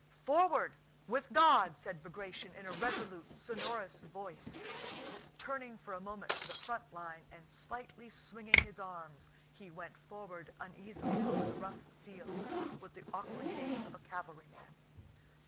"Forward, with God!" said Bagratión, in a resolute, sonorous voice, turning for a moment to the front line, and slightly swinging his arms, he went forward uneasily over the rough field with the awkward gait of a cavalryman.